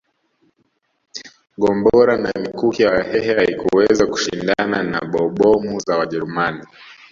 Gombora na mikuki ya Wahehe hazikuweza kushindana na bombomu za Wajerumani